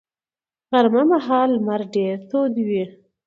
غرمه مهال لمر ډېر تود وي